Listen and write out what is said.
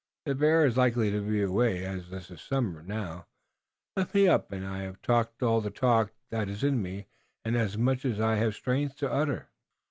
The bear is likely to be away, as this is summer. Now, lift me up. I have talked all the talk that is in me and as much as I have strength to utter."